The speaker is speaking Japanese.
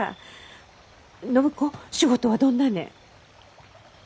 暢子仕事はどんなねぇ？